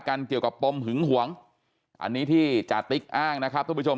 เกี่ยวกับปมหึงหวงอันนี้ที่จาติ๊กอ้างนะครับทุกผู้ชม